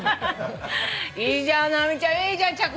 いいじゃん直美ちゃんいいじゃん着々とね。